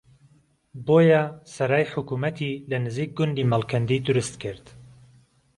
بۆیە سەرای حکومەتی لە نزیک گوندی مەڵکەندی دروستکرد